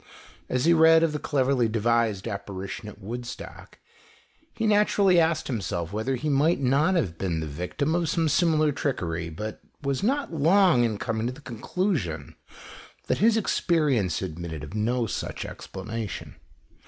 As he read of the cleverly devised apparition at Woodstock, he naturally asked himself whether he might not have been the victim of some similar trickery, but was not long in coming to the conclusion that his experience admitted of no such explanation.